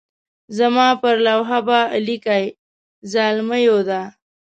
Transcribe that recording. زما پر لوحه به لیکئ زلمیو دا.